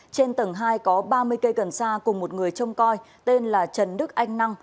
trên tầng hai có ba mươi cây cần sa cùng một người trông coi tên là trần đức anh năng